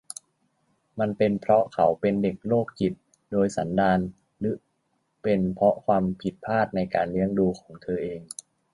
มันเป็นเพราะเขาเป็นเด็กโรคจิตโดยสันดาน หรือเป็นเพราะความผิดพลาดในการเลี้ยงดูของเธอเอง